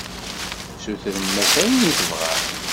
Sutrem-as ayen i tebɣam.